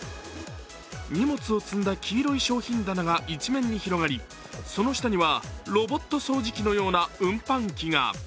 荷物を積んだ黄色い商品棚が一面に広がりその下にはロボット掃除機のような運搬機が。